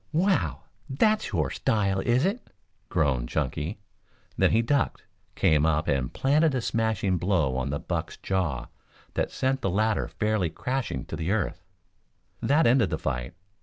"Wow! That's your style, is it?" groaned Chunky, then he ducked, came up and planted a smashing blow on the buck's jaw that sent the latter fairly crashing to earth. That ended the fight.